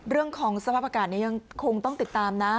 เรื่องของสภาพอากาศนี้ยังคงต้องติดตามนะ